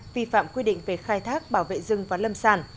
vi phạm quy định về khai thác bảo vệ rừng và lâm sản